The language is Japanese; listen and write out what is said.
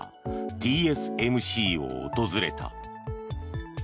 ＴＳＭＣを訪れた。